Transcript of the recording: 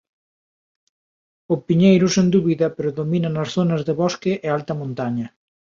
O piñeiro sen dúbida predomina nas zonas de bosque e alta montaña.